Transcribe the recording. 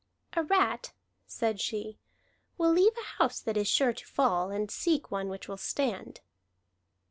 "A rat," said she, "will leave a house that is sure to fall, and seek one which will stand."